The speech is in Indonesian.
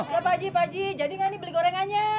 ya pak ji pak ji jadi gak nih beli gorengannya